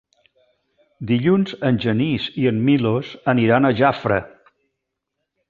Dilluns en Genís i en Milos aniran a Jafre.